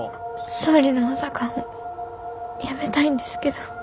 総理の補佐官を辞めたいんですけど。